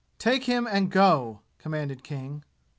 "Take him and go!" commanded King.